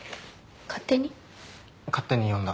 勝手に呼んだ。